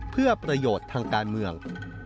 เพื่อประโยชน์ทางการเมือง